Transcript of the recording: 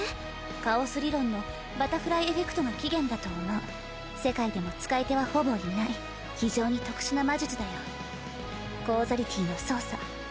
カオス理論のバタフライエフェクトが起源だと思う世界でも使い手はほぼいない非常に特殊な魔術だよコーザリティの操作